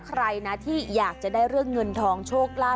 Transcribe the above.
ใครที่ถึงได้ยากในเงินทองชกลาบ